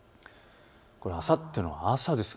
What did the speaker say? あさっての朝です。